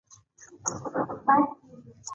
قهر انسان د نورو څخه جلا کوي.